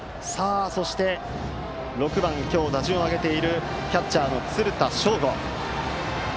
そして、６番に打順を上げているキャッチャーの鶴田尚冴。